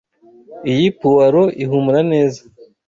Iyi puwaro ihumura neza.